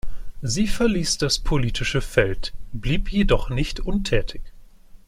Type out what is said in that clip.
Sie verließ das politische Feld, blieb jedoch nicht untätig.